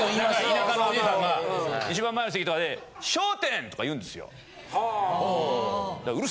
田舎のおじいさんが一番前の席とかで。とか言うんですよ。